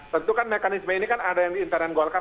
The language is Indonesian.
tentu kan mekanisme ini kan ada yang di internet golkar